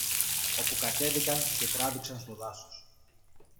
όπου κατέβηκαν και τράβηξαν στο δάσος.